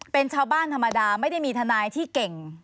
เป็นชาวบ้านธรรมดาไม่ได้มีทนายที่เก่ง